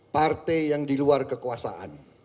partai yang di luar kekuasaan